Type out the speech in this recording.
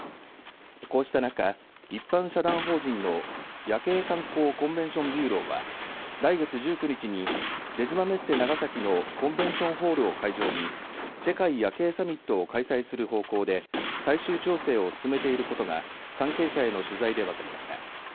こうした中一般社団法人の夜景観光コンベンション・ビューローは来月１９日に出島メッセ長崎のコンベンションホールを会場に世界夜景サミットを開催する方向で最終調整を進めていることが関係者への取材で分かりました。